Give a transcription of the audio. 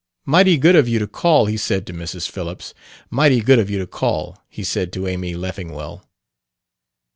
"Mighty good of you to call," he said to Mrs. Phillips. "Mighty good of you to call," he said to Amy Leffingwell.